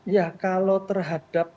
ya kalau terhadap